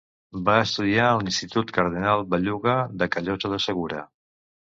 Va estudiar en l'Institut Cardenal Belluga de Callosa de Segura.